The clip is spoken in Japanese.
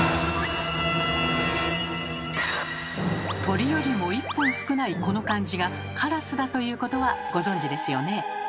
「鳥」よりも一本少ないこの漢字が「烏」だということはご存じですよね。